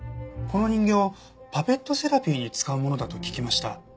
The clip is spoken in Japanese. この人形パペットセラピーに使うものだと聞きました。